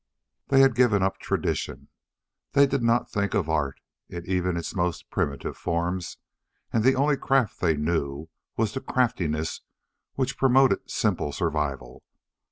They had given up tradition. They did not think of art in even its most primitive forms, and the only craft they knew was the craftiness which promoted simple survival.